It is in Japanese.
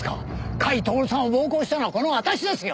甲斐享さんを暴行したのはこの私ですよ！